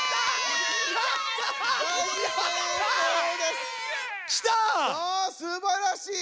すばらしい！